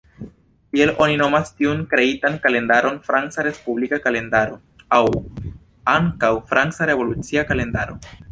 Tiel, oni nomas tiun kreitan kalendaron Franca respublika kalendaro aŭ ankaŭ Franca revolucia kalendaro.